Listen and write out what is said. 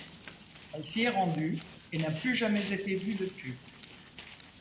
Elle s'y est rendue, et n'a plus jamais été vue depuis.